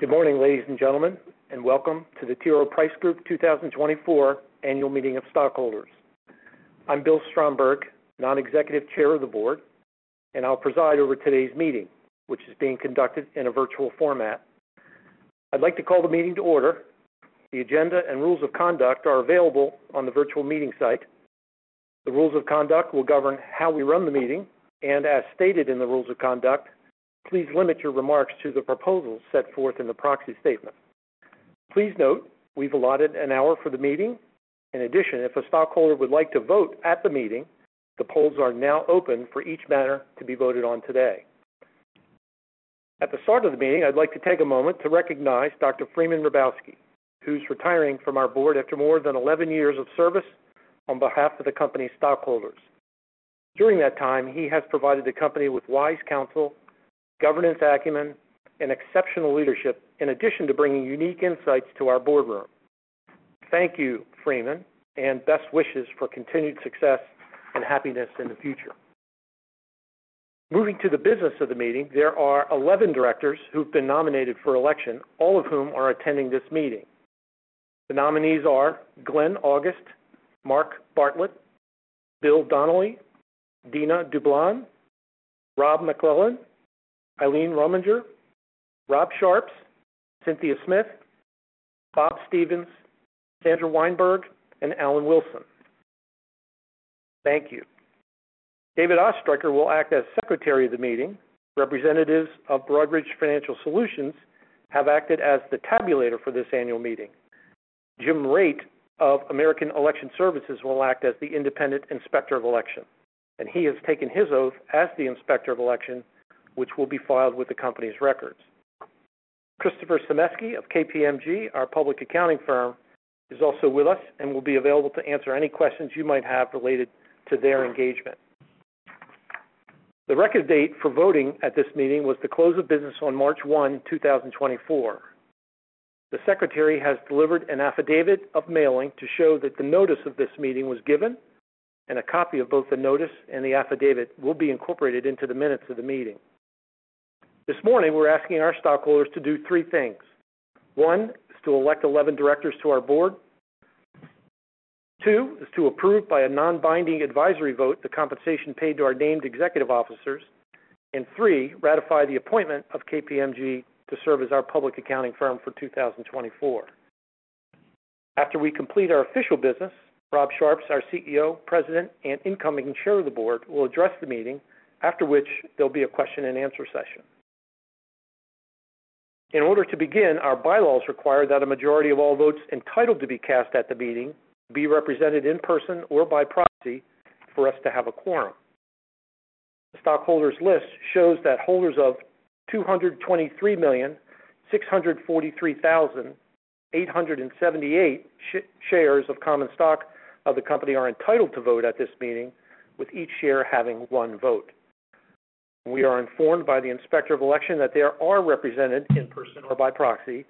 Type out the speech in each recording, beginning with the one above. Good morning, ladies and gentlemen, and welcome to the T. Rowe Price Group 2024 Annual Meeting of Stockholders. I'm Bill Stromberg, Non-executive Chair of the Board, and I'll preside over today's meeting, which is being conducted in a virtual format. I'd like to call the meeting to order. The agenda and rules of conduct are available on the virtual meeting site. The rules of conduct will govern how we run the meeting, and as stated in the rules of conduct, please limit your remarks to the proposals set forth in the proxy statement. Please note, we've allotted an hour for the meeting. In addition, if a stockholder would like to vote at the meeting, the polls are now open for each matter to be voted on today. At the start of the meeting, I'd like to take a moment to recognize Dr. Freeman Hrabowski, who's retiring from our board after more than 11 years of service on behalf of the company's stockholders. During that time, he has provided the company with wise counsel, governance acumen, and exceptional leadership, in addition to bringing unique insights to our boardroom. Thank you, Freeman, and best wishes for continued success and happiness in the future. Moving to the business of the meeting, there are 11 directors who've been nominated for election, all of whom are attending this meeting. The nominees are Glenn August, Mark Bartlett, Bill Donnelly, Dina Dublon, Rob MacLellan, Eileen Rominger, Rob Sharps, Cynthia Smith, Bob Stevens, Sandra Wijnberg, and Alan Wilson. Thank you. David Oestreicher will act as secretary of the meeting. Representatives of Broadridge Financial Solutions have acted as the tabulator for this annual meeting. J. Raitt of American Election Services will act as the independent inspector of election, and he has taken his oath as the inspector of election, which will be filed with the company's records. Christopher J. Sames of KPMG, our public accounting firm, is also with us and will be available to answer any questions you might have related to their engagement. The record date for voting at this meeting was the close of business on March 1, 2024. The secretary has delivered an affidavit of mailing to show that the notice of this meeting was given, and a copy of both the notice and the affidavit will be incorporated into the minutes of the meeting. This morning, we're asking our stockholders to do three things. One, is to elect 11 directors to our board. Two, is to approve by a non-binding advisory vote, the compensation paid to our named executive officers. And three, ratify the appointment of KPMG to serve as our public accounting firm for 2024. After we complete our official business, Rob Sharps, our CEO, president, and incoming chair of the board, will address the meeting, after which there'll be a question and answer session. In order to begin, our bylaws require that a majority of all votes entitled to be cast at the meeting be represented in person or by proxy for us to have a quorum. The stockholders' list shows that holders of 223,643,878 shares of common stock of the company are entitled to vote at this meeting, with each share having one vote. We are informed by the inspector of election that there are represented in person or by proxy,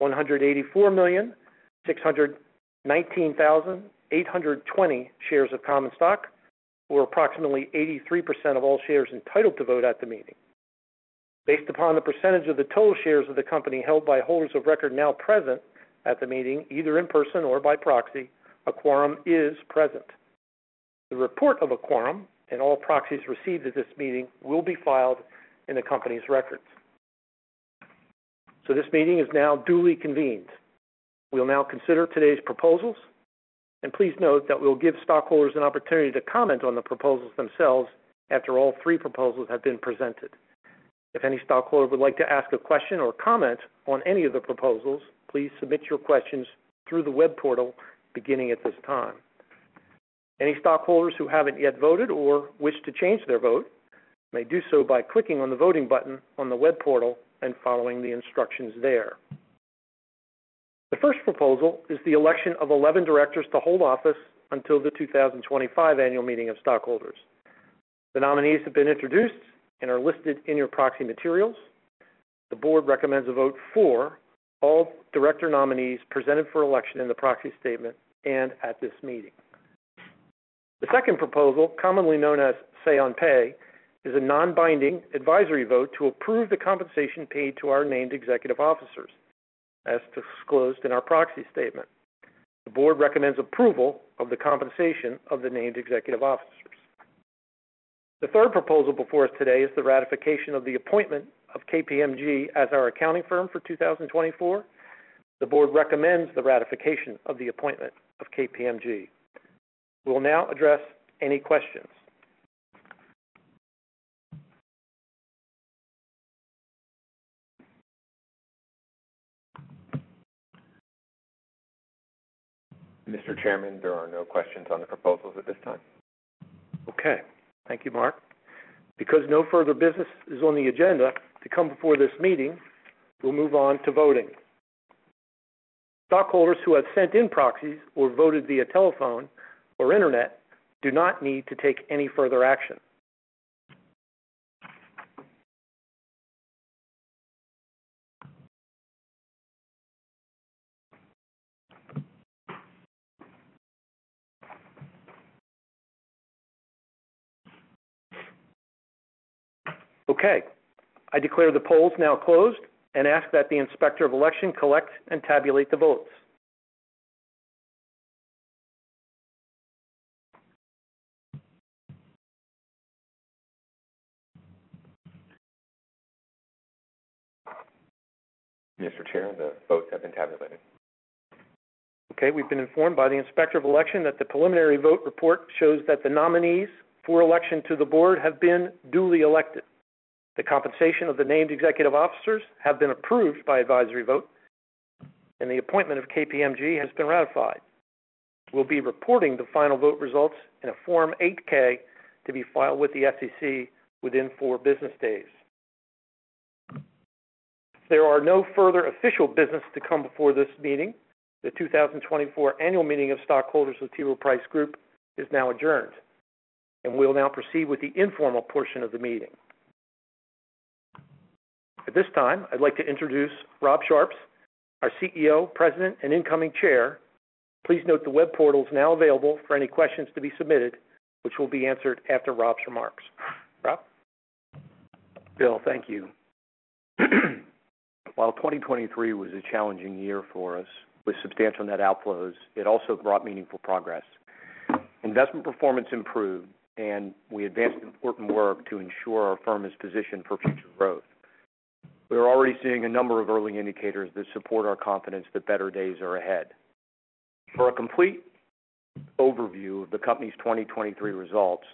184,619,820 shares of common stock, or approximately 83% of all shares entitled to vote at the meeting. Based upon the percentage of the total shares of the company held by holders of record now present at the meeting, either in person or by proxy, a quorum is present. The report of a quorum and all proxies received at this meeting will be filed in the company's records. This meeting is now duly convened. We'll now consider today's proposals, and please note that we'll give stockholders an opportunity to comment on the proposals themselves after all three proposals have been presented. If any stockholder would like to ask a question or comment on any of the proposals, please submit your questions through the web portal beginning at this time. Any stockholders who haven't yet voted or wish to change their vote may do so by clicking on the voting button on the web portal and following the instructions there. The first proposal is the election of 11 directors to hold office until the 2025 annual meeting of stockholders. The nominees have been introduced and are listed in your proxy materials. The board recommends a vote for all director nominees presented for election in the Proxy Statement and at this meeting. The second proposal, commonly known as Say on Pay, is a non-binding advisory vote to approve the compensation paid to our Named Executive Officers, as disclosed in our Proxy Statement. The board recommends approval of the compensation of the named executive officers. The third proposal before us today is the ratification of the appointment of KPMG as our accounting firm for 2024. The board recommends the ratification of the appointment of KPMG. We will now address any questions. Mr. Chairman, there are no questions on the proposals at this time. Okay. Thank you, Mark. Because no further business is on the agenda to come before this meeting, we'll move on to voting. Stockholders who have sent in proxies or voted via telephone or internet do not need to take any further action.... Okay, I declare the polls now closed and ask that the Inspector of Election collect and tabulate the votes. Mr. Chair, the votes have been tabulated. Okay, we've been informed by the Inspector of Election that the preliminary vote report shows that the nominees for election to the board have been duly elected. The compensation of the named executive officers have been approved by advisory vote, and the appointment of KPMG has been ratified. We'll be reporting the final vote results in a Form 8-K to be filed with the SEC within four business days. There are no further official business to come before this meeting. The 2024 annual meeting of stockholders with T. Rowe Price Group is now adjourned, and we'll now proceed with the informal portion of the meeting. At this time, I'd like to introduce Rob Sharps, our CEO, President, and incoming Chair. Please note the web portal is now available for any questions to be submitted, which will be answered after Rob's remarks. Rob? Bill, thank you. While 2023 was a challenging year for us with substantial net outflows, it also brought meaningful progress. Investment performance improved, and we advanced important work to ensure our firm is positioned for future growth. We are already seeing a number of early indicators that support our confidence that better days are ahead. For a complete overview of the company's 2023 results,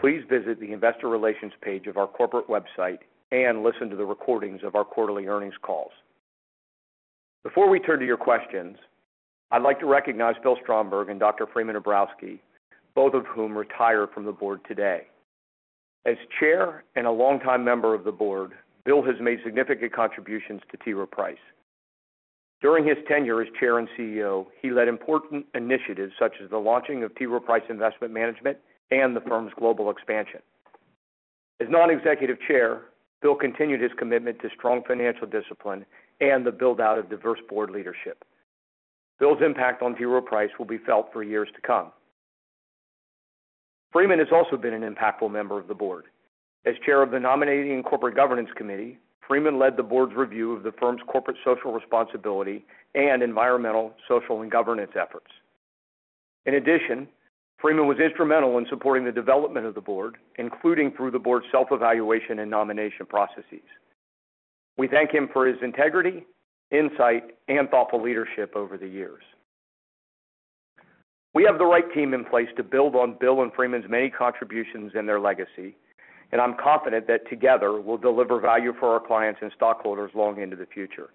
please visit the investor relations page of our corporate website and listen to the recordings of our quarterly earnings calls. Before we turn to your questions, I'd like to recognize Bill Stromberg and Dr. Freeman A. Hrabowski III, both of whom retire from the board today. As chair and a longtime member of the board, Bill has made significant contributions to T. Rowe Price. During his tenure as chair and CEO, he led important initiatives such as the launching of T. Rowe Price Investment Management and the firm's global expansion. As non-executive chair, Bill continued his commitment to strong financial discipline and the build-out of diverse board leadership. Bill's impact on T. Rowe Price will be felt for years to come. Freeman has also been an impactful member of the board. As chair of the Nominating and Corporate Governance Committee, Freeman led the board's review of the firm's corporate social responsibility and environmental, social, and governance efforts. In addition, Freeman was instrumental in supporting the development of the board, including through the board's self-evaluation and nomination processes. We thank him for his integrity, insight, and thoughtful leadership over the years. We have the right team in place to build on Bill and Freeman's many contributions and their legacy, and I'm confident that together we'll deliver value for our clients and stockholders long into the future.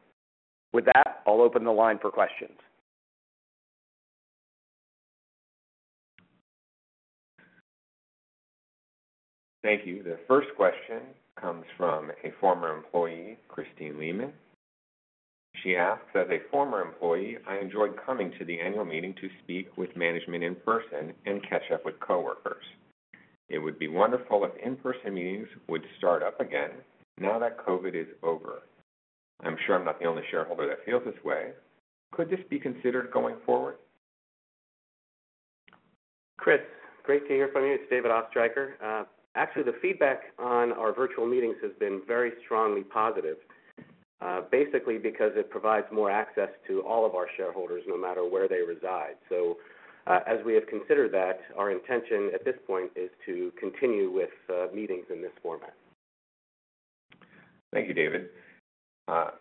With that, I'll open the line for questions. Thank you. The first question comes from a former employee, Christine Lehman. She asks, "As a former employee, I enjoyed coming to the annual meeting to speak with management in person and catch up with coworkers. It would be wonderful if in-person meetings would start up again now that COVID is over. I'm sure I'm not the only shareholder that feels this way. Could this be considered going forward? Chris, great to hear from you. It's David Oestreicher. Actually, the feedback on our virtual meetings has been very strongly positive, basically because it provides more access to all of our shareholders, no matter where they reside. So, as we have considered that, our intention at this point is to continue with meetings in this format. Thank you, David. A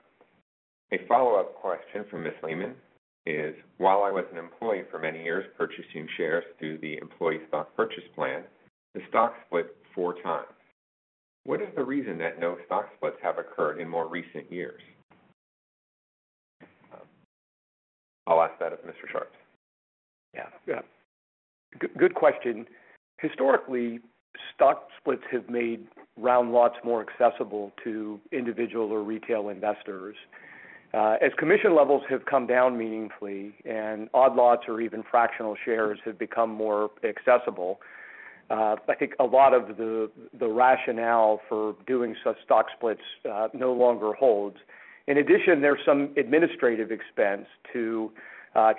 follow-up question from Ms. Lehman is: "While I was an employee for many years, purchasing shares through the employee stock purchase plan, the stock split four times. What is the reason that no stock splits have occurred in more recent years?" I'll ask that of Mr. Sharps. Yeah. Yeah. Good, good question. Historically, stock splits have made round lots more accessible to individual or retail investors. As commission levels have come down meaningfully and odd lots or even fractional shares have become more accessible, I think a lot of the, the rationale for doing such stock splits, no longer holds. In addition, there's some administrative expense to,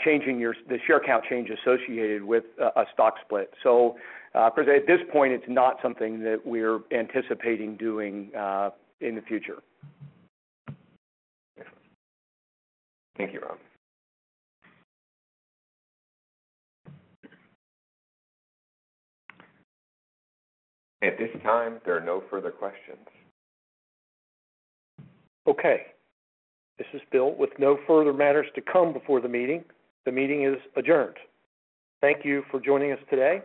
changing your... The share count change associated with a, a stock split. So, at this point, it's not something that we're anticipating doing, in the future. Thank you, Rob. At this time, there are no further questions. Okay, this is Bill. With no further matters to come before the meeting, the meeting is adjourned. Thank you for joining us today.